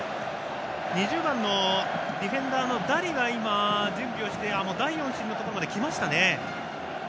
２０番のディフェンダーのダリが準備をして第４審のところまで来ましたね。